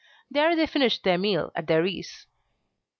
There they finished their meal at their ease.